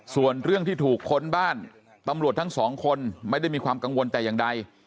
ส่วนเรื่องที่ถูกค้นบ้านตำรวจทั้งสองคนไม่ได้มีความกังวลแต่อย่างใด